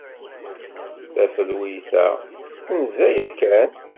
Tafelwit-a tenza yakan.